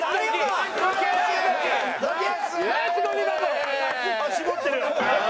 あっ絞ってる。